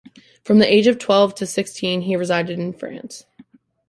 From the age of twelve to sixteen he resided in France.